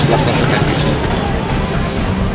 buat konsumsi pedagang